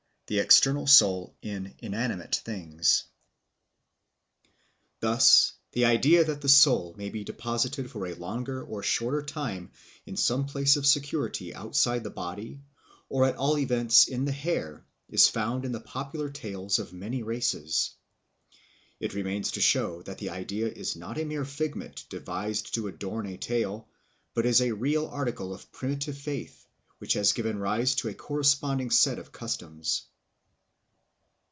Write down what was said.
The External Soul in Inanimate Things THUS the idea that the soul may be deposited for a longer or shorter time in some place of security outside the body, or at all events in the hair, is found in the popular tales of many races. It remains to show that the idea is not a mere figment devised to adorn a tale, but is a real article of primitive faith, which has given rise to a corresponding set of customs.